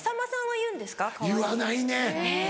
言わないね。